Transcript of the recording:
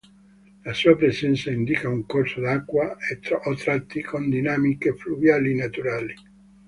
La sua presenza indica un corso d'acqua, o tratti, con dinamiche fluviali naturali.